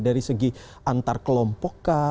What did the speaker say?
dari segi antar kelompok kah